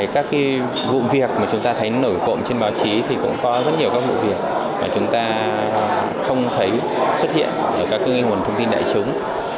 các vụ việc mà chúng ta thấy nổi cộng trên báo chí thì cũng có rất nhiều các vụ việc và chúng ta không thấy xuất hiện ở các nguồn thông tin đại chúng